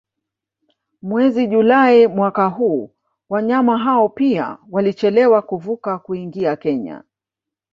Mwezi Julai mwaka huu wanyama hao pia walichelewa kuvuka kuingia Kenya